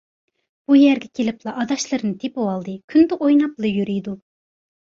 بۇ يەرگە كېلىپلا ئاداشلىرىنى تېپىۋالدى، كۈندە ئويناپلا يۈرىدۇ.